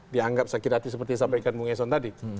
dianggap sakit hati seperti sapa ikan bungeson tadi